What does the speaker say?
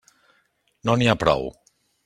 No n'hi ha prou.